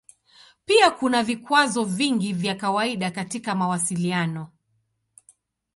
Pia kuna vikwazo vingi vya kawaida katika mawasiliano.